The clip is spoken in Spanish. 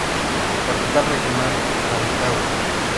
Capital Regional: Rancagua.